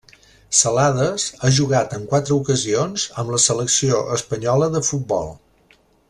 Celades ha jugat en quatre ocasions amb la selecció espanyola de futbol.